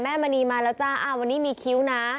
มณีมาแล้วจ้าวันนี้มีคิ้วนะ